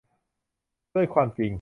ด้วยความจริง